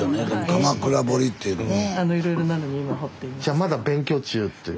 鎌倉彫っていうのも。